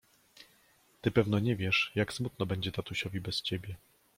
— Ty pewno nie wiesz, jak smutno będzie tatusiowi bez ciebie!